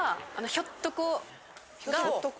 ひょっとこ？